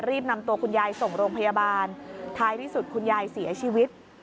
รีบนำตัวคุณยายส่งโรงพยาบาลท้ายที่สุดคุณยายเสียชีวิต